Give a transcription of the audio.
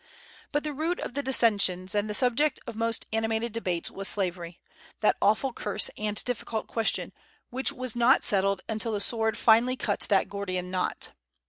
But the root of the dissensions, and the subject of most animated debates, was slavery, that awful curse and difficult question, which was not settled until the sword finally cut that Gordian knot.